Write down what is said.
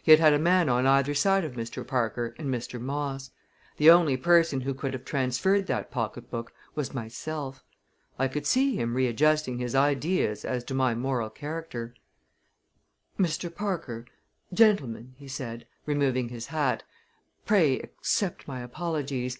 He had had a man on either side of Mr. Parker and Mr. Moss. The only person who could have transferred that pocketbook was myself. I could see him readjusting his ideas as to my moral character. "Mr. Parker gentlemen," he said, removing his hat, "pray accept my apologies.